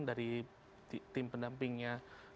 dari tim pendampingnya